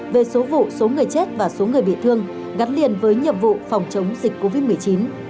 về số vụ số người chết và số người bị thương gắn liền với nhiệm vụ phòng chống dịch covid một mươi chín